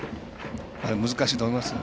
難しいと思いますよ。